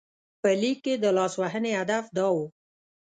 په لیک کې د لاسوهنې هدف دا و.